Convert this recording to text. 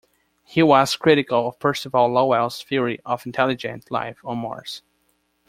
He was critical of Percival Lowell's theory of intelligent life on Mars.